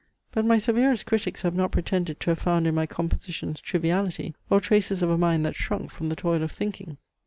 But my severest critics have not pretended to have found in my compositions triviality, or traces of a mind that shrunk from the toil of thinking.